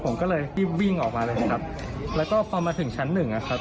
ผมก็เลยรีบวิ่งออกมาเลยนะครับแล้วก็พอมาถึงชั้นหนึ่งนะครับ